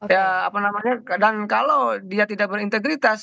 ya apa namanya dan kalau dia tidak berintegritas